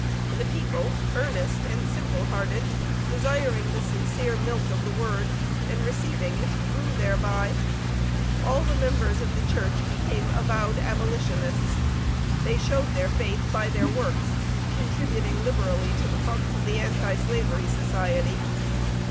The people, earnest and simple hearted, desired the 'sincere milk of the Word,' and receiving it 'grew thereby.' All the members of the church became avowed abolitionists. They showed their faith by their works, contributing liberally to the funds of the Anti slavery Society.